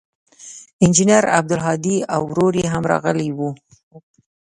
انجنیر عبدالهادي او ورور یې هم راغلي ول.